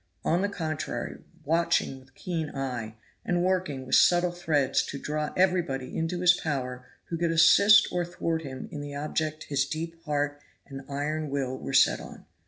On the contrary, watching with keen eye, and working with subtle threads to draw everybody into his power who could assist or thwart him in the object his deep heart and iron will were set on.